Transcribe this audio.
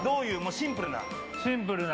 シンプルな。